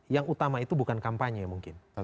yang utama itu bukan kampanye mungkin